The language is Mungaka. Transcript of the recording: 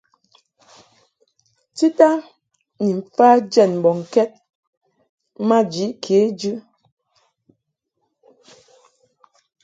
Tita ni mfa jɛd mbɔŋkɛd maji kejɨ.